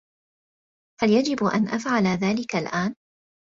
هل يجب أن أفعل ذلك الآن ؟